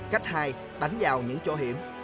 cách hai đánh vào những chỗ hiểm